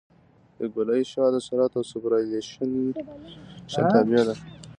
د ګولایي شعاع د سرعت او سوپرایلیویشن تابع ده